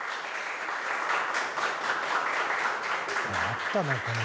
「あったね